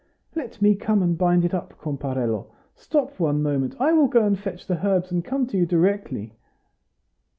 "Let me come and bind it up, comparello. Stop one moment; I will go and fetch the herbs, and come to you directly."